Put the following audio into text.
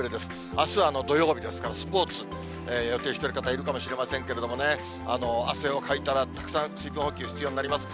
あすは土曜日ですから、スポーツ予定している方、いるかもしれませんけどもね、汗をかいたら、たくさん水分補給必要になります。